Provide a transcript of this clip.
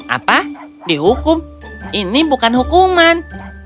apa dihukum ini bukan hukuman